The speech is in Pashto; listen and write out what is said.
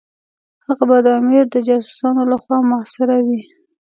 هغه به د امیر د جاسوسانو لخوا محاصره وي.